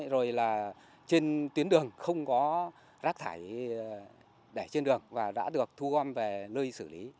rồi là trên tuyến đường không có rác thải để trên đường và đã được thu gom về nơi xử lý